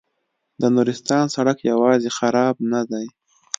د نورستان سړک یوازې خراب نه دی.